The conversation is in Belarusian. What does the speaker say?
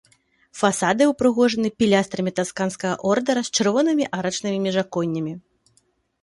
Фасады ўпрыгожаны пілястрамі тасканскага ордара з чырвонымі арачнымі міжаконнямі.